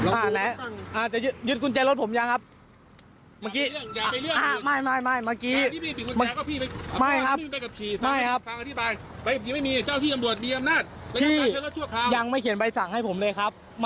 ไปสั่งอะไรพี่ถามน้องไอ้นี้พี่ต้องเขียนไปสั่งครับ